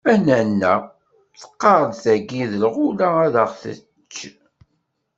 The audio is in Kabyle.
A nanna... teqqar-d tayi d lɣula ad ɣen-tečč!